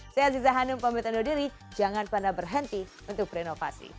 saya aziza hanum pembentangnya diri jangan pernah berhenti untuk renovasi